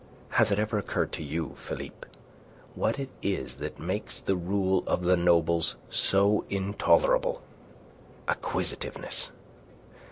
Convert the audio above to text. Has it ever occurred to you, Philippe, what it is that makes the rule of the nobles so intolerable? Acquisitiveness.